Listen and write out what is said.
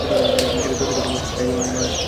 এটা তোমার সাইজ অনুযায়ী মানানসই।